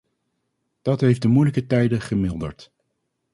Dat heeft de moeilijke tijden gemilderd.